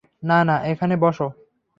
না, না, এখানে বসো।